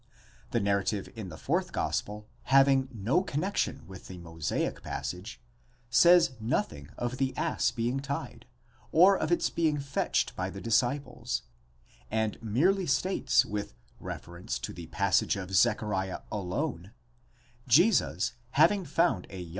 The narrative in the fourth gospel, having no connection with the Mosaic passage, says nothing of the ass being tied, or of its being fetched by the disciples, and merely states with reference to the passage of Zechariah alone: Jesus, having found a young ass, sat thereon (v.